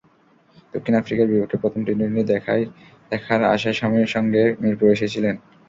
দক্ষিণ আফ্রিকার বিপক্ষে প্রথম টি-টোয়েন্টি দেখার আশায় স্বামীর সঙ্গে মিরপুরে এসেছিলেন।